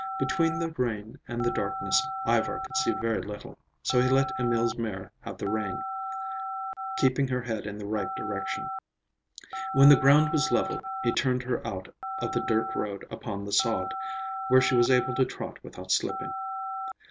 Between the rain and the darkness Ivar could see very little, so he let Emil's mare have the rein, keeping her head in the right direction. When the ground was level, he turned her out of the dirt road upon the sod, where she was able to trot without slipping.